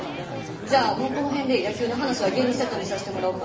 じゃあもうこの辺で野球の話はゲームセットにさしてもらおうか。